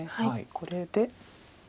これで。